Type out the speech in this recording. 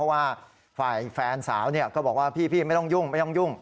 ว่าฝ่ายแฟนสาวก็บอกว่าพี่ไม่ต้องยุ่งไม่ต้องยุ่ง